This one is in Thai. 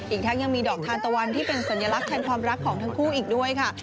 อีกทั้งยังมีดอกทานตะวันที่เป็นสัญลักษณ์แทนความรักของทั้งคู่อีกด้วยค่ะ